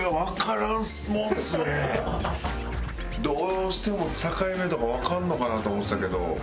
どうしても境目とかわかんのかなと思ってたけど。